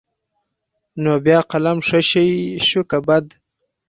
نو بيا قلم ښه شى شو که بد.